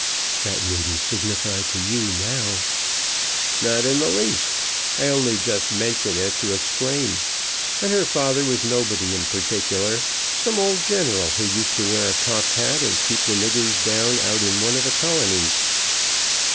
"That needn't signify to you now." "Not in the least. I only just mention it to explain. And her father was nobody in particular, some old general who used to wear a cocked hat and keep the niggers down out in one of the colonies.